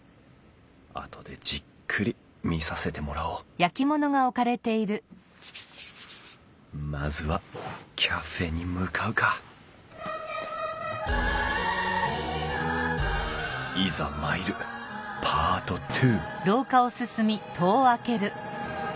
あとでじっくり見させてもらおうまずはカフェに向かうかいざ参るパート２！